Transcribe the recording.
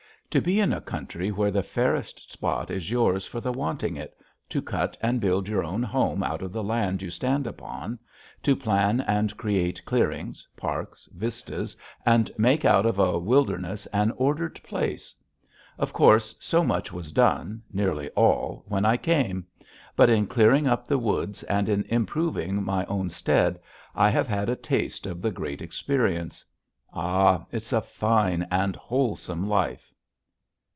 To be in a country where the fairest spot is yours for the wanting it, to cut and build your own home out of the land you stand upon, to plan and create clearings, parks, vistas, and make out of a wilderness an ordered place! Of course so much was done nearly all when I came. But in clearing up the woods and in improving my own stead I have had a taste of the great experience. Ah, it's a fine and wholesome life!...